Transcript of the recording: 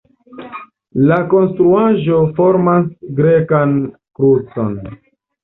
La konstruaĵo formas grekan krucon.